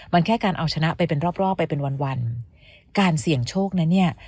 มันแค่การเอาชนะไปเป็นรอบรอบไปเป็นวันวันการเสี่ยงโชคนั้นเนี่ย